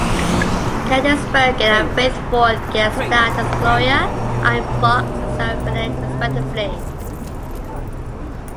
Candice Bergen and Faith Ford guest starred as Gloria Ironbox and Sarah Bennett, respectively.